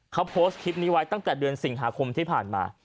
เขาโพสต์คลิปนี้ไว้ตั้งแต่เดือนสิงหาคมที่ผ่านมา